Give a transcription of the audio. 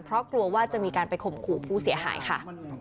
เพราะกลัวว่าจะมีการไปข่มขู่ผู้เสียหายค่ะ